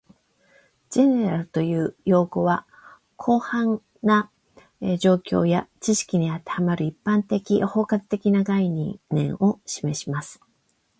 "General" という用語は、広範な状況や知識に当てはまる、一般的・包括的な概念を示します